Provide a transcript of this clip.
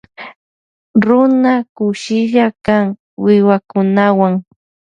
Runa kushilla kan wiwakunawan.